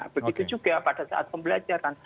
begitu juga pada saat pembelajaran